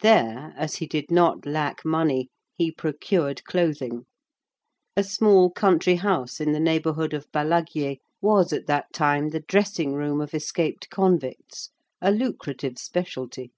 There, as he did not lack money, he procured clothing. A small country house in the neighborhood of Balaguier was at that time the dressing room of escaped convicts,—a lucrative specialty.